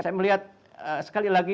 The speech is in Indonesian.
saya melihat sekali lagi